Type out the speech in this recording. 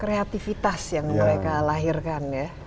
kreativitas yang mereka lahirkan ya